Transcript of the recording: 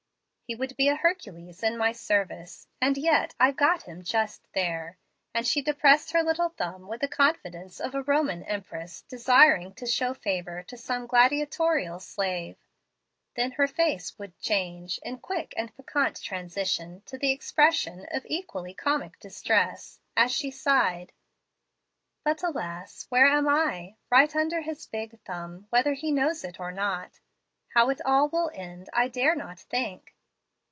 He would be a Hercules in my service, and yet I've got him just there"; and she depressed her little thumb with the confidence of a Roman empress desiring to show favor to some gladiatorial slave. Then her face would change in quick and piquant transition to the expression of equally comic distress, as she sighed, "But, alas! where am I? Right under his big thumb, whether he knows it or not. How it all will end I dare not think."